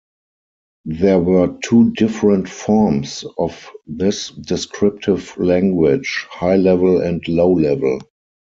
There were two different forms of this descriptive language; high level and low level.